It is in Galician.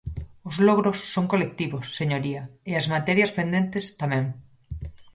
Os logros son colectivos, señoría, e as materias pendentes, tamén.